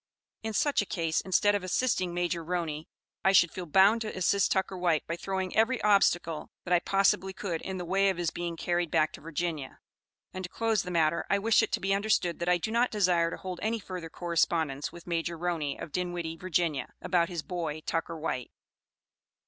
In such a case, instead of assisting Major Roney, I should feel bound to assist Tucker White by throwing every obstacle that I possibly could in the way of his being carried back to Virginia; and to close the matter I wish it to be understood that I do not desire to hold any further correspondence with Major Roney, of Dinwiddie, Virginia, about his 'boy,' Tucker White."